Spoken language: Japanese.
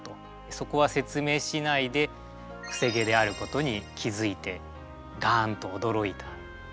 そこは説明しないでくせ毛であることに気付いて「ガーン」と驚いたという。